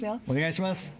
お願いします。